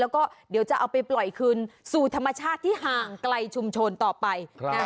แล้วก็เดี๋ยวจะเอาไปปล่อยคืนสู่ธรรมชาติที่ห่างไกลชุมชนต่อไป